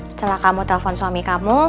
setelah kamu telpon suami kamu